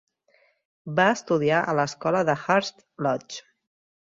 Va estudiar a l'escola de Hurst Lodge.